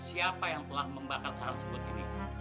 siapa yang telah membakar sarang sebut ini